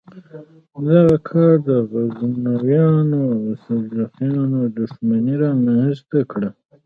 دغه کار د غزنویانو او سلجوقیانو دښمني رامنځته کړه.